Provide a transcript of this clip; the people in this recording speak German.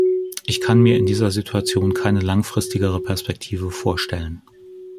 Ich kann mir in dieser Situation keine langfristigere Perspektive vorstellen.